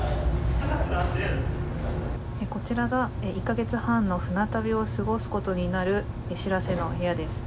こちらが、１か月半の船旅を過ごすことになる「しらせ」の部屋です。